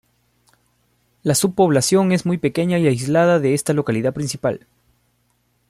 La subpoblación es muy pequeña y aislada de esta localidad principal.